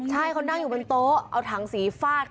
ใช่เขานั่งอยู่บนโต๊ะเอาถังสีฟาด